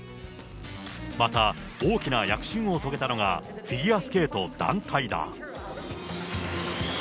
また大きな躍進を遂げたのがフィギュアスケート団体だ。